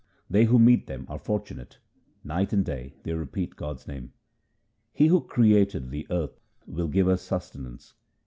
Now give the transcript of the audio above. They who meet them are fortunate ; night and day they repeat God's name. "He who created the earth will give us sustenance.